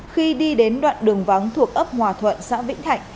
khi đi đến đoạn đường vắng thuộc ấp hòa thuận xã vĩnh thạnh